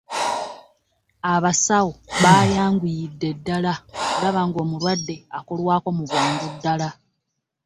Abasawo baayanguyidde ddala okulaba ng'omulwadde akolwako mangu ddala.